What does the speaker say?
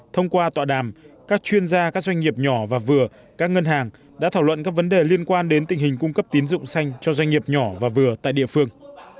thông qua tọa đàm các chuyên gia các doanh nghiệp nhỏ và vừa các ngân hàng đã thảo luận các vấn đề liên quan đến tình hình cung cấp tín dụng xanh cho doanh nghiệp nhỏ và vừa tại địa phương